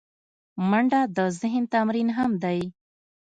منډه د ذهن تمرین هم دی